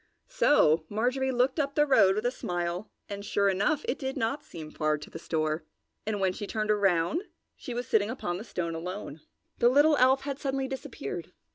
So Marjorie looked up the road with a smile and, sure enough, it did not seem so far to the store, and when she turned around, she was sitting upon the stone alone. The little elf had suddenly disappeared.